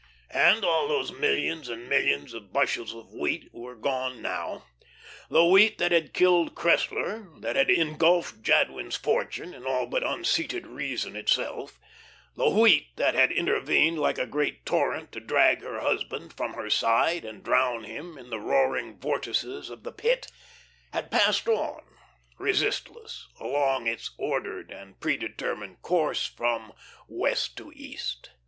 And all those millions and millions of bushels of Wheat were gone now. The Wheat that had killed Cressler, that had ingulfed Jadwin's fortune and all but unseated reason itself; the Wheat that had intervened like a great torrent to drag her husband from her side and drown him in the roaring vortices of the Pit, had passed on, resistless, along its ordered and predetermined courses from West to East?